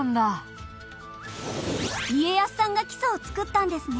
家康さんが基礎を作ったんですね。